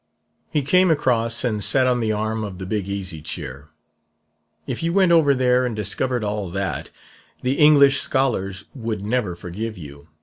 "He came across and sat on the arm of the big easy chair. 'If you went over there and discovered all that, the English scholars would never forgive you.'